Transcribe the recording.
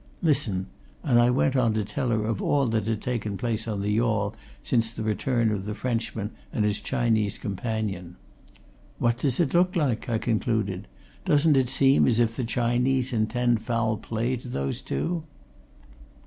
Listen!" And I went on to tell her of all that had taken place on the yawl since the return of the Frenchman and his Chinese companion. "What does it look like?" I concluded. "Doesn't it seem as if the Chinese intend foul play to those two?"